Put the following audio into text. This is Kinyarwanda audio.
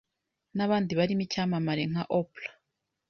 N’abandi barimo icyamamare nka Oprah